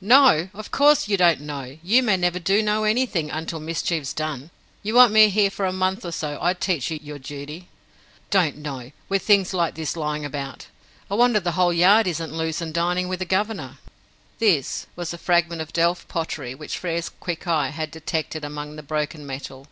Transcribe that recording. "Know! Of course you don't know. You men never do know anything until the mischief's done. You want me here for a month or so. I'd teach you your duty! Don't know with things like this lying about? I wonder the whole yard isn't loose and dining with the Governor." "This" was a fragment of delft pottery which Frere's quick eye had detected among the broken metal.